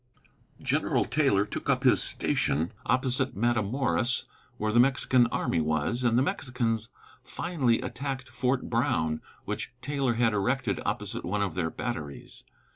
General Taylor took up his station opposite Matamoras, where the Mexican army was, and the Mexicans finally attacked Fort Brown, which Taylor had erected opposite one of their batteries.